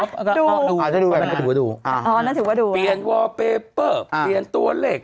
อ่ะดูอ่าดูอ่าอ๋อนั่นถือว่าดูเปลี่ยนอ่าเปลี่ยนตัวเหล็ก